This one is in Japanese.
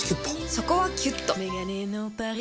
そこはキュッと。